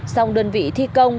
xong đơn vị thi công